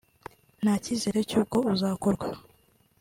nta cyizere cy’uko uzakorwa